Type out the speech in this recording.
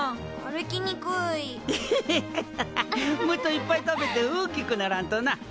もっといっぱい食べて大きくならんとな。